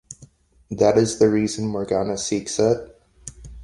That is the reason Morgana seeks it.